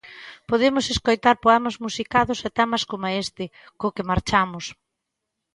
Podemos escoitar poemas musicados e temas coma este, co que marchamos.